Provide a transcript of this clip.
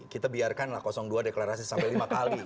kita biarkan lah dua deklarasi sampai lima kali